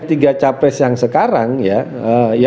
tiga capres yang sekarang ya ya tentu saja saya kalau boleh nyebut nama ya